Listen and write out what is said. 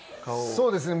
そうですね。